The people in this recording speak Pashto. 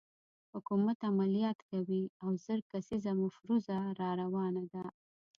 حکومت عملیات کوي او زر کسیزه مفروزه راروانه ده.